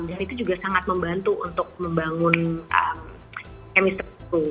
dan itu juga sangat membantu untuk membangun chemistry itu